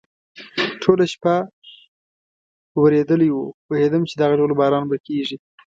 ټوله شپه ورېدلی و، پوهېدم چې دغه ډول باران به کېږي.